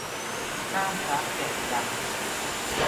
ห้ามพระแก่นจันทน์